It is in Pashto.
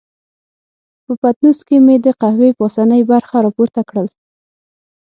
په پتنوس کې مې د قهوې پاسنۍ برخه را پورته کړل.